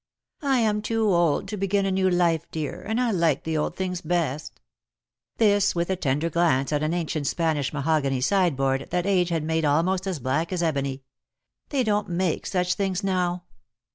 " I am too old to begin a new life, dear, and I like the old things best." This with a tender glance at an ancient Spanish mahogany sideboard that age had made almost as black as ebony. " They don't make such things now."